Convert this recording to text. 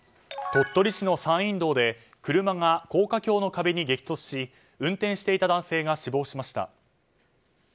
鳥取市の山陰道で車が高架橋の壁に激突し運転していた男性が死亡しました。